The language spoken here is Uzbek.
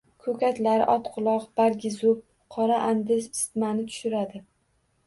Ko‘katlar, otquloq, bargizub, qora andiz isitmani tushiradi.